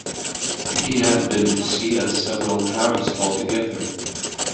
He had been to see us several times altogether.